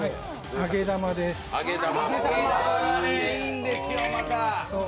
揚げ玉、これがいいんですよ、また。